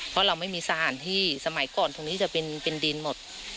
เพราะเราไม่มีสถานที่สมัยก่อนตรงนี้จะเป็นดินหมด